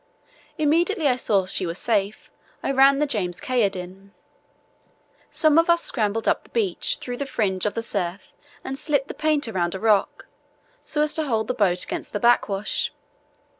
Immediately I saw she was safe I ran the James Caird in. Some of us scrambled up the beach through the fringe of the surf and slipped the painter round a rock, so as to hold the boat against the backwash.